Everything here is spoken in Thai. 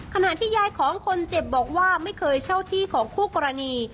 ขณะที่ยายของคนเจ็บบอกว่าไม่เคยเช่าที่ของคู่กรณี